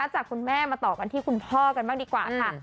จากคุณแม่มาต่อกันที่คุณพ่อกันบ้างดีกว่าค่ะ